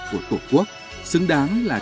của tổ quốc xứng đáng là